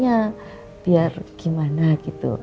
ya biar gimana gitu